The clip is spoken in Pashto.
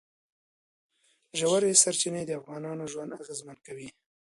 ژورې سرچینې د افغانانو ژوند اغېزمن کوي.